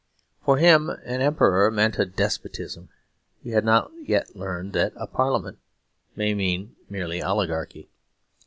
For him an Emperor meant merely despotism; he had not yet learned that a Parliament may mean merely oligarchy.